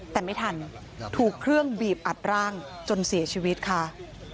แต่ไม่ทันถูกเครื่องบีบอัดร่างจนเสียชีวิตค่ะ